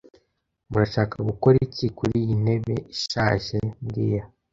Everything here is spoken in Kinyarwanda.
Murashaka gukora iki kuriyi ntebe ishaje mbwira